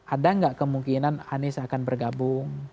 ada nggak kemungkinan anies akan bergabung